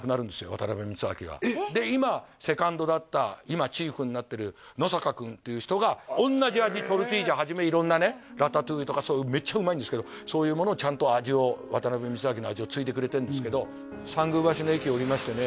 渡辺光昭はえっ？で今セカンドだった今チーフになってる野坂君っていう人が同じ味トルティージャはじめ色んなねラタトゥイユとかそういうめっちゃうまいんですけどそういうものをちゃんと味を渡辺光昭の味を継いでくれてるんですけど参宮橋の駅を降りましてね